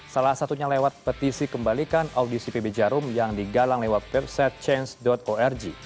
salah satunya lewat petisi kembalikan audisi pb jarum yang digalang lewat website change org